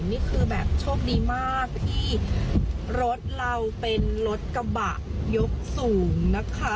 นี่คือแบบโชคดีมากที่รถเราเป็นรถกระบะยกสูงนะคะ